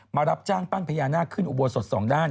มารับจ้างปั้นพญานาคขึ้นอุโบสถสองด้าน